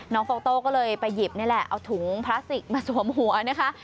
โฟโต้ก็เลยไปหยิบนี่แหละเอาถุงพลาสติกมาสวมหัวนะคะ